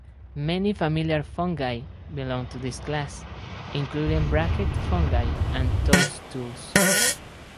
Many familiar fungi belong to this class, including bracket fungi and toadstools.